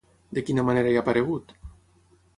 De quina manera hi ha aparegut?